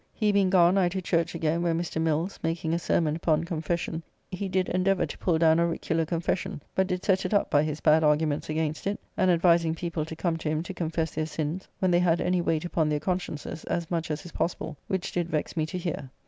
He being gone, I to church again, where Mr. Mills, making a sermon upon confession, he did endeavour to pull down auricular confession, but did set it up by his bad arguments against it, and advising people to come to him to confess their sins when they had any weight upon their consciences, as much as is possible, which did vex me to hear.